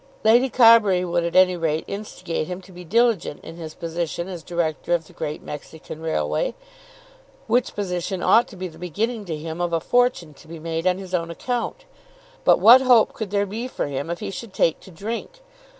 Lady Carbury would at any rate instigate him to be diligent in his position as director of the Great Mexican Railway, which position ought to be the beginning to him of a fortune to be made on his own account. But what hope could there be for him if he should take to drink?